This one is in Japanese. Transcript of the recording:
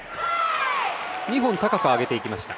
２本、高く上げていきました。